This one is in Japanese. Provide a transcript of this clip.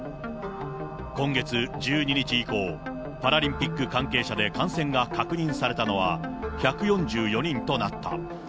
今月１２日以降、パラリンピック関係者で感染が確認されたのは１４４人となった。